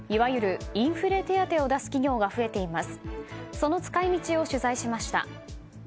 その使い道を取材しました。